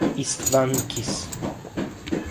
István Kiss